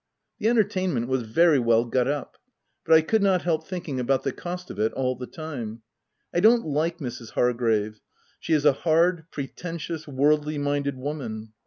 The entertainment was very well got up ; but I could not help thinking about the cost of it all the time. I don't like Mrs. Hargrave ; she is a hard, pretensious, worldly minded woman.